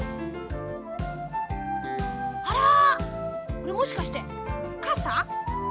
これもしかしてかさ？